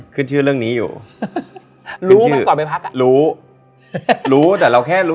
รู้มั้งตอนไปพักอะอเจมส์รู้